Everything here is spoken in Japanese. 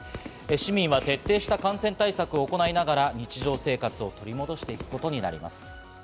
市民は徹底した感染対策を行いながら日常生活を取り戻していくことになります。